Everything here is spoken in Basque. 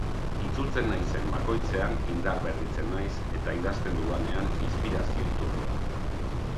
Itzultzen naizen bakoitzean indarberritzen naiz eta idazten dudanean inspirazio iturri da.